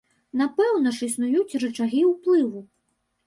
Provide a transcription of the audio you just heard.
Напэўна ж існуюць рычагі ўплыву.